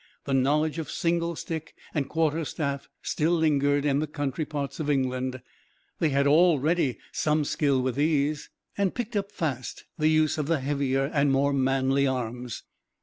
The knowledge of singlestick and quarterstaff still lingered, in the country parts of England. They had all already some skill with these, and picked up fast the use of the heavier, and more manly arms.